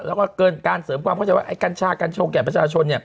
แล้วก็เกินการเสริมความเข้าใจว่าไอ้กัญชากัญชงแก่ประชาชน